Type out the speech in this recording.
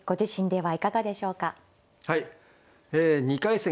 はい。